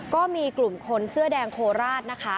ก็มีกลุ่มคนเสื้อแดงโคราชนะคะ